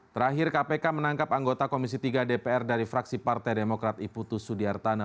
terakhir kpk menangkap anggota komisi tiga dpr dari fraksi partai demokrat iputus sudiartana